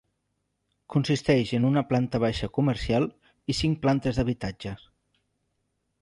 Consisteix en una planta baixa comercial i cinc plantes d'habitatges.